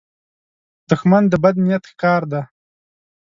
دښمن د بد نیت ښکار دی